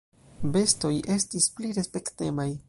"Bestoj estis pli respektemaj."